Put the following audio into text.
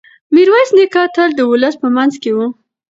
میرویس نیکه تل د ولس په منځ کې و.